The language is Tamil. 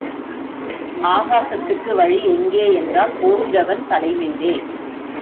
ஆகாசத்துக்கு வழி எங்கே என்றால் போகிறவன் தலைமேலே.